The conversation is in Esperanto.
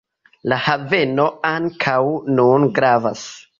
La haveno ankaŭ nun gravas.